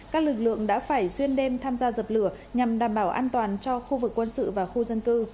các lực lượng đã phải xuyên đêm tham gia dập lửa nhằm đảm bảo an toàn cho khu vực quân sự và khu dân cư